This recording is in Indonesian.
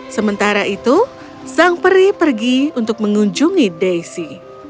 sementara itu sang peri pergi untuk mengunjungi daisy